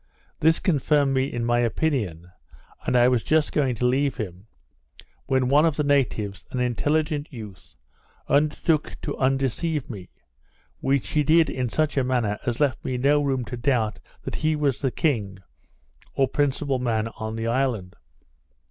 This confirmed me in my opinion, and I was just going to leave him, when one of the natives, an intelligent youth, undertook to undeceive me; which he did in such a manner as left me no room to doubt that he was the king, or principal man on the island.